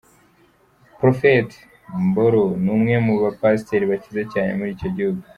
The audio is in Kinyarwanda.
Prophet Mboro ni umwe mu bapasiteri bakize cyane muri icyo gihugu.